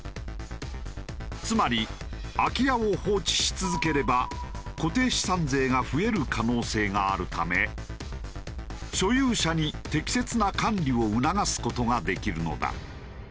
つまり空き家を放置し続ければ固定資産税が増える可能性があるため所有者に適切な管理を促す事ができるのだ。